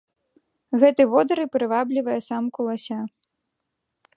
Гэты водар і прываблівае самку лася.